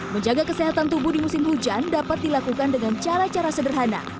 menjaga kesehatan tubuh di musim hujan dapat dilakukan dengan cara cara sederhana